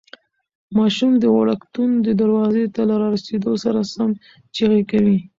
ماشوم د وړکتون دروازې ته له رارسېدو سره سم چیغې کوي.